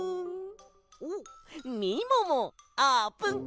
おっみももあーぷん